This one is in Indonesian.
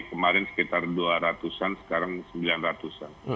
kemarin sekitar dua ratus an sekarang sembilan ratus an